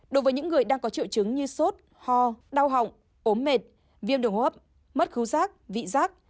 đối với những người đang có triệu chứng như sốt ho đau họng ốm mệt viêm đường hốp mất khú giác vị giác